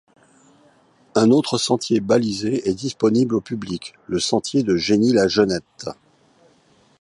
Un autre sentier balisé est disponible au public, le sentier de Genny la genette.